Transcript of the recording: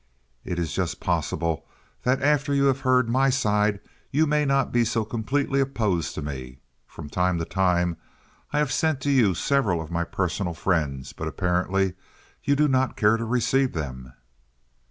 It is just possible that after you have heard my side you may not be so completely opposed to me. From time to time I have sent to you several of my personal friends, but apparently you do not care to receive them."